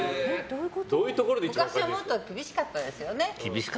昔はもっと厳しかったですよね。